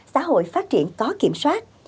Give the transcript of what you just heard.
xã hội phát triển có kiểm soát